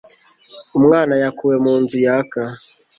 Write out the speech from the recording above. Umwana yakuwe mu nzu yaka.